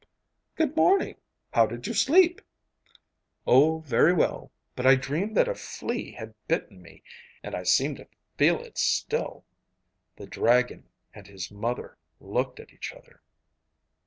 'Good morning. How did you sleep?' 'Oh, very well, but I dreamed that a flea had bitten me, and I seem to feel it still.' The dragon and his mother looked at each other.